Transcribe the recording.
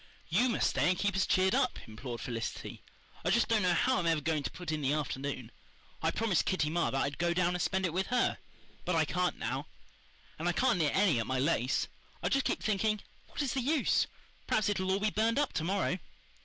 "YOU must stay and keep us cheered up," implored Felicity. "I just don't know how I'm ever going to put in the afternoon. I promised Kitty Marr that I'd go down and spend it with her, but I can't now. And I can't knit any at my lace. I'd just keep thinking, 'What is the use? Perhaps it'll all be burned up to morrow.